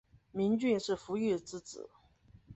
明俊是傅玉之子。